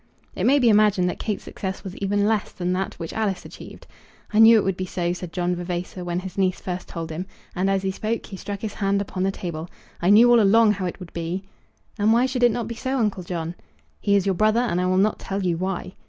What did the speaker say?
It may be imagined that Kate's success was even less than that which Alice achieved. "I knew it would be so," said John Vavasor, when his niece first told him; and as he spoke he struck his hand upon the table. "I knew all along how it would be." "And why should it not be so, Uncle John?" "He is your brother, and I will not tell you why."